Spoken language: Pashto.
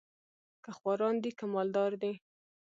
که خواران دي که مال دار دي